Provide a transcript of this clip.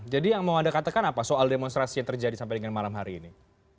jadi mau anda katakan apa soal demonstrasi yang terjadi sampai dengan malam hari ini